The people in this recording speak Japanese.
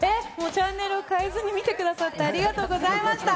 チャンネルを変えずに見てくださってありがとうございました。